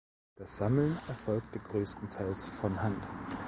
Das Sammeln erfolgte größtenteils von Hand.